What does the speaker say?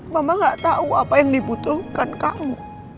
mama gak tahu apa yang dibutuhkan kamu